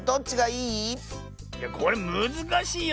いやこれむずかしいよ。